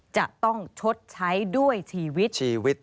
จะต้องชดใช้ด้วยชีวิตชีวิต